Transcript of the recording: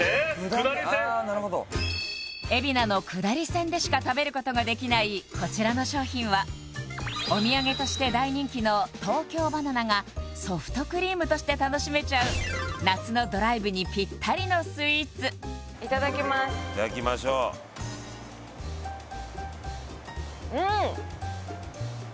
下りああなるほど海老名の下り線でしか食べることができないこちらの商品はお土産として大人気の東京ばな奈がソフトクリームとして楽しめちゃういただきますいただきましょううん